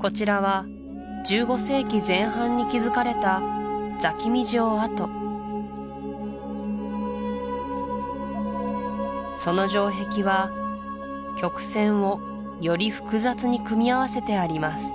こちらは１５世紀前半に築かれたその城壁は曲線をより複雑に組み合わせてあります